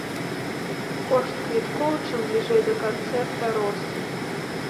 Кошт квіткоў чым бліжэй да канцэрта рос.